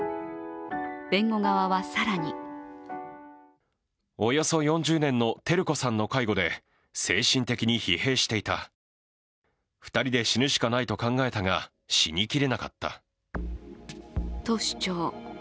弁護側は更にと主張。